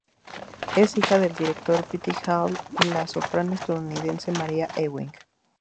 Es hija del director Peter Hall y la soprano estadounidense Maria Ewing.